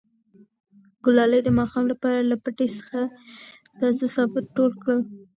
ګلالۍ د ماښام لپاره له پټي څخه تازه سابه ټول کړل.